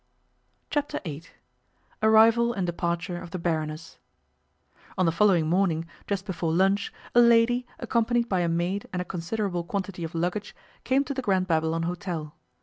Chapter Eight ARRIVAL AND DEPARTURE OF THE BARONESS ON the following morning, just before lunch, a lady, accompanied by a maid and a considerable quantity of luggage, came to the Grand Babylon Hôtel.